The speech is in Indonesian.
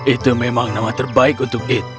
itu memang nama terbaik untuk eat